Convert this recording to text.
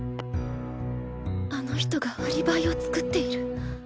あの人がアリバイを作っている